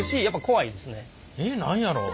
えっ何やろ？